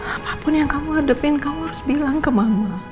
apapun yang kamu hadapin kamu harus bilang ke mama